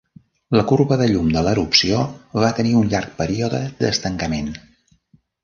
La corba de llum de l'erupció va tenir un llarg període d'estancament.